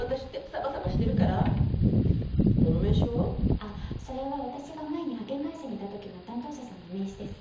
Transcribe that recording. あっそれは私が前に派遣会社にいた時の担当者さんの名刺です。